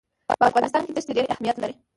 په افغانستان کې دښتې ډېر اهمیت لري.